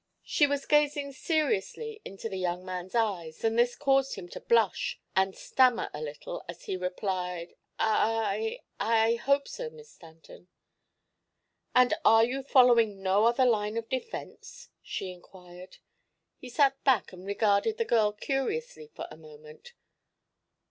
She was gazing seriously into the young man's eyes and this caused him to blush and stammer a little as he replied: "I I hope to, Miss Stanton." "And are you following no other line of defense?" she inquired. He sat back and regarded the girl curiously for a moment.